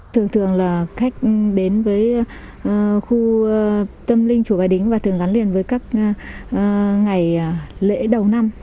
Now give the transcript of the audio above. thường thường là khách đến với khu tâm linh chùa bài đính và thường gắn liền với các ngày lễ đầu năm